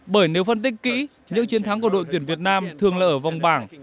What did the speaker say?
bởi nếu phân tích kỹ những chiến thắng của đội tuyển việt nam thường là ở vòng bảng